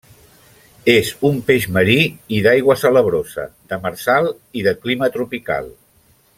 És un peix marí i d'aigua salabrosa, demersal i de clima tropical.